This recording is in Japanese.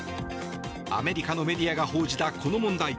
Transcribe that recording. アメリカのメディアが報じたこの問題。